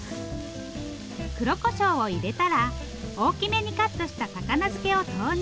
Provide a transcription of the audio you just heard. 黒こしょうを入れたら大きめにカットした高菜漬けを投入。